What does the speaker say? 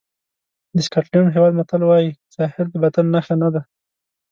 د سکاټلېنډ هېواد متل وایي ظاهر د باطن نښه نه ده.